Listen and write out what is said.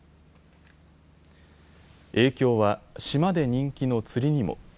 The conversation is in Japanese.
影響は島で人気の釣りにも。